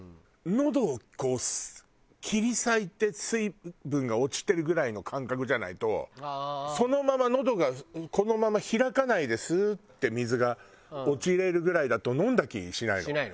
のどを切り裂いて水分が落ちてるぐらいの感覚じゃないとそのままのどがこのまま開かないでスーッて水が落ちれるぐらいだと飲んだ気しないの。